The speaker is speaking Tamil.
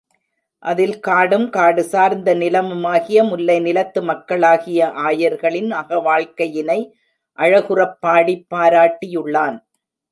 அதில், காடும் காடு சார்ந்த நிலமுமாகிய முல்லை நிலத்து மக்களாகிய ஆயர்களின் அகவாழ்க்கையினை அழகுறப் பாடிப் பாராட்டியுள்ளான்.